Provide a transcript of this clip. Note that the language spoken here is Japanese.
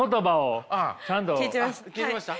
聞いてました。